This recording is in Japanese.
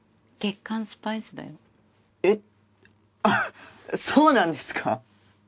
あっそうなんですか？